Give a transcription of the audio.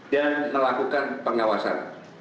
dan melakukan pengawasan